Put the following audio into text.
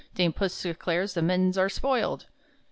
Dame Puss declares the mittens are spoiled!